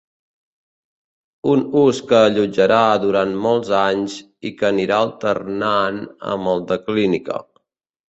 Un ús que allotjarà durant molts anys i que anirà alternant amb el de clínica.